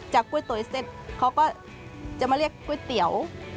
จากกุ้ยต๋วยเสร็จเขาก็จะมาเรียกกุ้ยเตี๋ยว